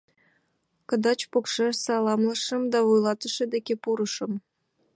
Кыдач-покшеч саламлышым да вуйлатыше деке пурышым.